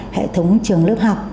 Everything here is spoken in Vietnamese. hạ tầng trường lớp học